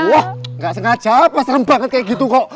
wah nggak sengaja apa serem banget kayak gitu kok